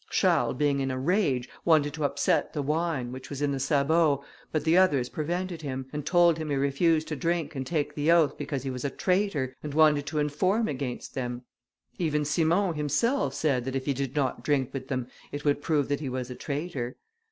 Charles, being in a rage, wanted to upset the wine, which was in the sabot, but the others prevented him, and told him he refused to drink and take the oath, because he was a traitor, and wanted to inform against them. Even Simon himself said, that if he did not drink with them, it would prove that he was a traitor.